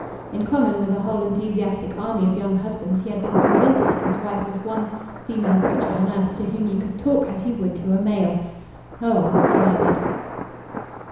In common with a whole enthusiastic army of young husbands he had been convinced that his wife was the one female creature on earth to whom you could talk as you would to a male. "Oh!" he murmured.